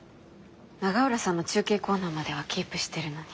永浦さんの中継コーナーまではキープしてるのに。